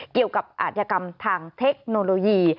เกี่ยวกับอาชญากรรมทางเทคโนโลยี